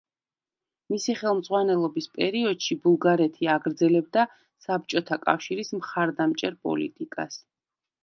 მისი ხელმძღვანელობის პერიოდში ბულგარეთი აგრძელებდა საბჭოთა კავშირის მხარდამჭერ პოლიტიკას.